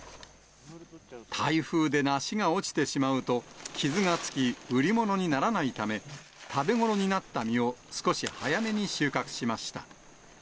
台風で梨が落ちてしまうと、傷がつき、売り物にならないため、食べ頃になった実を少し早めに収穫しました。